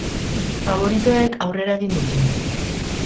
Faboritoek aurrera egin dute.